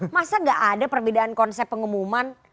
masa gak ada perbedaan konsep pengumuman